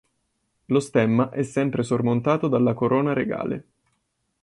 Lo stemma è sempre sormontato dalla corona regale.